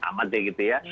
aman deh gitu ya